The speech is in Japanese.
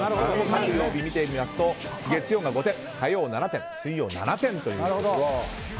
各曜日見てみますと月曜が５点、火曜７点水曜７点ということで。